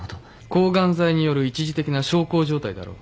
抗ガン剤による一時的な小康状態だろう。